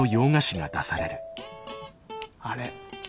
あれ？